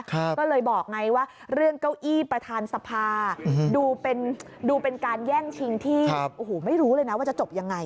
ก็เลยบอกไงว่าเรื่องเก้าอี้ประธานสภาดูเป็นการแย่งชิงที่โอ้โหไม่รู้เลยนะว่าจะจบยังไง